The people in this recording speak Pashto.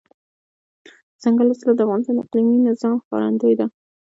دځنګل حاصلات د افغانستان د اقلیمي نظام ښکارندوی ده.